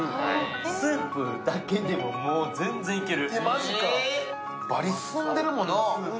スープだけでも、もう全然いける。